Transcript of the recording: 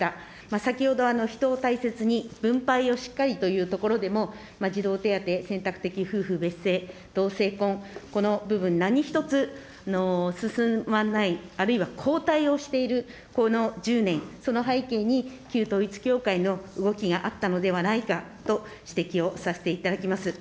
先ほど、人を大切に、分配をしっかりというところでも、児童手当、選択的夫婦別姓、同性婚、この部分、何一つ、進まない、あるいは後退をしているこの１０年、その背景に、旧統一教会の動きがあったのではないかと指摘をさせていただきます。